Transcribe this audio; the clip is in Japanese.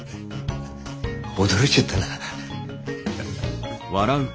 驚いちゃったなハハ。